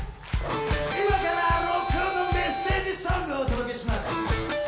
今からＲｏｃｋｏｎのメッセージソングをお届けします。